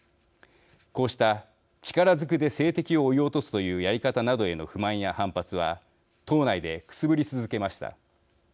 こうした力ずくで政敵を追い落とすというやり方などへの不満や反発は党内でくすぶり続けました。